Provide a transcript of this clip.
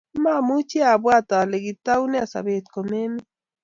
Mamuchi abwat ale kitaune sobet komemii